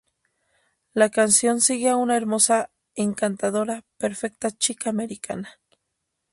La canción sigue a una "hermosa, encantadora, perfecta chica americana".